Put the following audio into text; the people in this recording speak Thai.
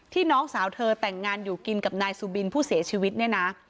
น้องสาวเธอแต่งงานอยู่กินกับนายสุบินผู้เสียชีวิตเนี่ยนะ